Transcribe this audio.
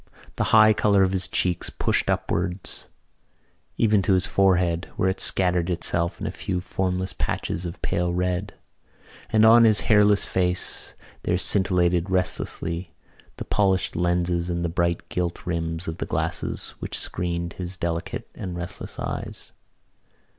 The high colour of his cheeks pushed upwards even to his forehead where it scattered itself in a few formless patches of pale red; and on his hairless face there scintillated restlessly the polished lenses and the bright gilt rims of the glasses which screened his delicate and restless eyes.